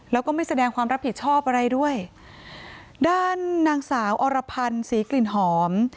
แล้วก็ไม่แสดงความรับผิดชอบอะไรด้วยด้านนางสาวอรพันธ์ศรีกลิ่นหอม